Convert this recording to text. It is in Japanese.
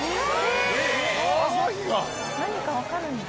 何か分かるんだ。